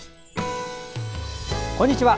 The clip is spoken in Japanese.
こんにちは。